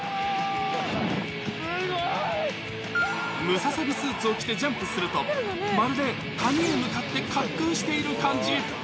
ムササビスーツを着てジャンプすると、まるで谷に向かって滑空している感じ。